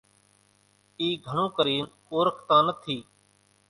اِي گھڻون ڪرينَ اورکاتان نٿِي۔